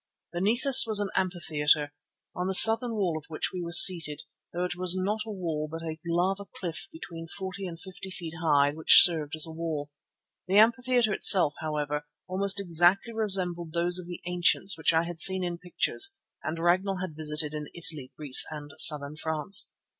Beneath us was an amphitheatre, on the southern wall of which we were seated, though it was not a wall but a lava cliff between forty and fifty feet high which served as a wall. The amphitheatre itself, however, almost exactly resembled those of the ancients which I had seen in pictures and Ragnall had visited in Italy, Greece, and Southern France.